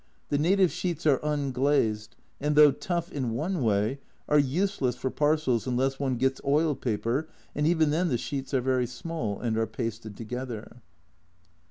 The native sheets are unglazed, and though tough in one way are useless for parcels unless one gets oil paper, and even then the sheets are very small and are pasted together.